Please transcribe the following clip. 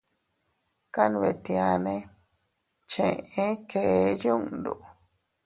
Kanbetianne cheʼe kee yundo.